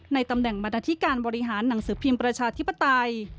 ตำแหน่งบรรดาธิการบริหารหนังสือพิมพ์ประชาธิปไตย